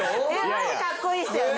マジかっこいいっすよね！